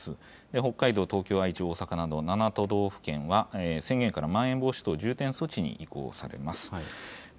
北海道、東京、愛知、大阪など７都道府県は宣言からまん延防止等重点措置に移行されます。